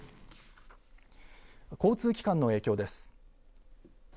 交通機関の影響です。